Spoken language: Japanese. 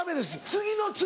次の次？